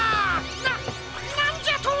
なっなんじゃと！